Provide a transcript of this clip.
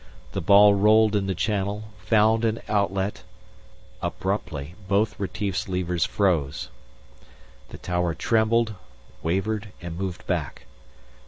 The ball rolled in the channel, found an outlet Abruptly, both Retief's levers froze. The tower trembled, wavered and moved back.